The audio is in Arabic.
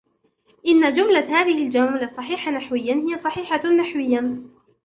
إن جملة " هذه الجملة صحيحة نحوياً "، هي صحيحة نحوياً.